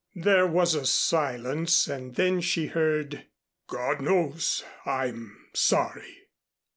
There was a silence and then she heard, "God knows, I'm sorry."